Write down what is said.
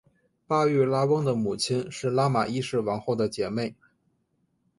巴育拉翁的母亲是拉玛一世王后的姐妹。